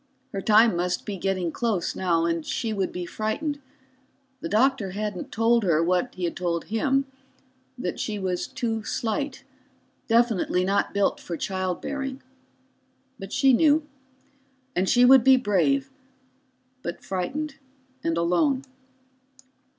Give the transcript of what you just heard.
Her time must be getting close now, and she would be frightened. The doctor hadn't told her what he had told him that she was too slight, definitely not built for child bearing. But she knew. And she would be brave, but frightened and alone.